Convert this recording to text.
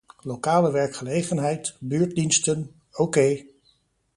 Lokale werkgelegenheid, buurtdiensten, oké.